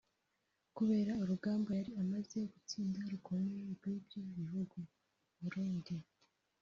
Kubera urugamba yari amaze gutsinda rukomeye rw’ibyo bihugu (u Burundi